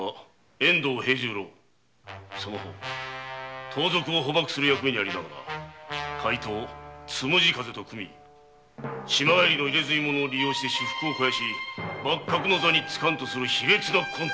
・遠藤兵十郎その方盗賊を捕縛する役目にありながら怪盗「つむじ風」と組み島帰りの「入墨者」を利用して私腹を肥やし幕閣の座に就かんとする卑劣な魂胆。